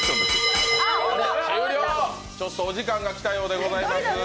ちょっとお時間が来たようです。